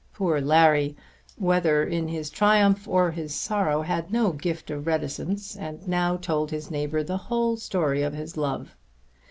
Poor Larry whether in his triumph or his sorrow had no gift of reticence and now told his neighbour the whole story of his love.